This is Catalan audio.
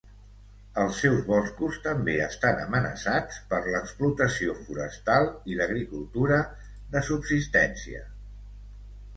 Els seus boscos també estan amenaçats per l'explotació forestal i l'agricultura de subsistència.